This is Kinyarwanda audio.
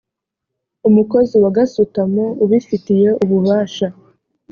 umukozi wa gasutamo ubifitiye ububasha